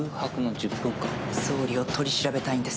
総理を取り調べたいんです。